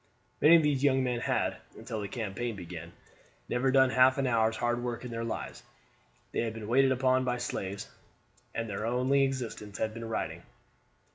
Many of these young men had, until the campaign began, never done half an hour's hard work in their lives. They had been waited upon by slaves, and their only exercise had been riding.